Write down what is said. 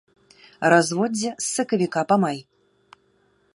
Разводдзе з сакавіка па май.